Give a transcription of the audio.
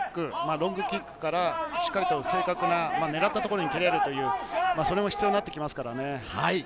ロングキックからしっかりと正確な狙った所に蹴るという、それも必要になってきますからね。